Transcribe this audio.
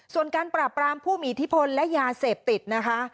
ส่วนการปราบรามผู้มีอิทธิพลและยาเสพติดนะคะ